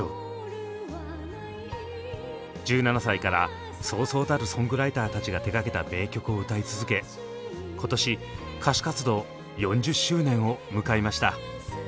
１７歳からそうそうたるソングライターたちが手がけた名曲を歌い続け今年歌手活動４０周年を迎えました。